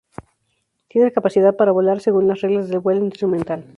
Tiene capacidad para volar según las reglas de vuelo instrumental.